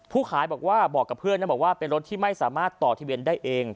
ขายบอกว่าบอกกับเพื่อนนะบอกว่าเป็นรถที่ไม่สามารถต่อทะเบียนได้เอง